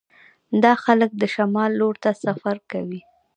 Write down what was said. دا خلک د شمال لور ته سفر کوي